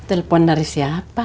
hai telpon narisi apa